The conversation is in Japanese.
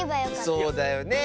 そうだよねえ。